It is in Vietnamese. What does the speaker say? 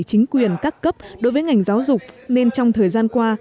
chính quyền các cấp đối với ngành giáo dục nên trong thời gian qua